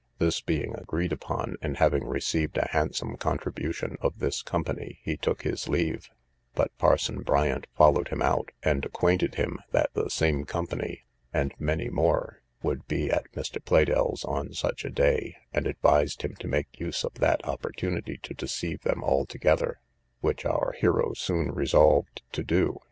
This being agreed upon, and having received a handsome contribution of this company, he took his leave; but Parson Bryant followed him out, and acquainted him that the same company, and many more, would be at Mr. Pleydell's on such a day, and advised him to make use of that opportunity to deceive them all together; which our hero soon resolved to do.